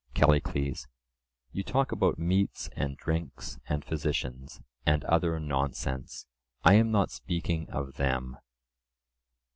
CALLICLES: You talk about meats and drinks and physicians and other nonsense; I am not speaking of them.